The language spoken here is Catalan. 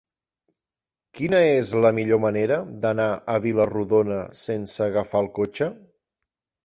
Quina és la millor manera d'anar a Vila-rodona sense agafar el cotxe?